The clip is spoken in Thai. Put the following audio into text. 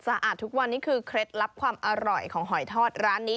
สดสะอาดทุกวันนี่คือเคสตรับความอร่อยของหอยทอดร้านนะ